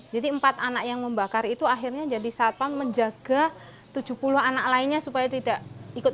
jadi empat anak yang membakar itu akhirnya jadi satpam menjaga tujuh puluh anak lainnya supaya tidak ikut